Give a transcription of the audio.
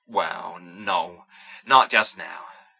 "Well, no, not just now.